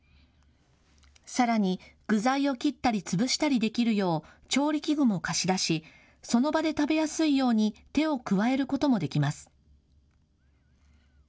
さらに具材を切ったり潰したりできるよう調理器具も貸し出し、その場で食べやすいように手を加えることもできます。